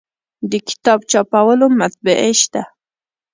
د کتاب چاپولو مطبعې شته